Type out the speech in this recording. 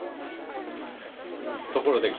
ところで君